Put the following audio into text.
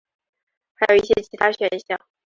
还有一些其他选项。